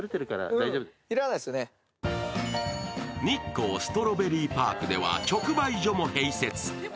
日光ストロベリーパークでは直売所も併設。